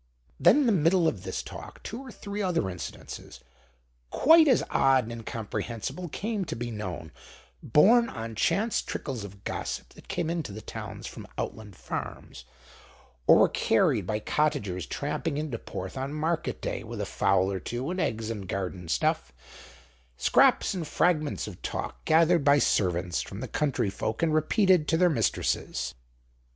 Then, in the middle of this talk, two or three other incidents, quite as odd and incomprehensible, came to be known, borne on chance trickles of gossip that came into the towns from outland farms, or were carried by cottagers tramping into Porth on market day with a fowl or two and eggs and garden stuff; scraps and fragments of talk gathered by servants from the country folk and repeated—to their mistresses.